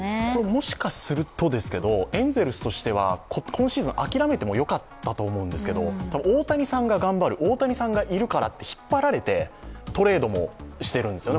もしかするとですけどエンゼルスとしては今シーズン諦めてもよかったと思うんですけど、大谷さんが頑張る、大谷さんがいるからって引っ張られてトレードもしてるんですよね